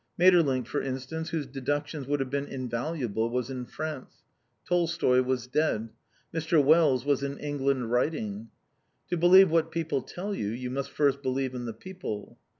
Maeterlinck, for instance, whose deductions would have been invaluable, was in France. Tolstoi was dead. Mr. Wells was in England writing. To believe what people tell you, you must first believe in the people.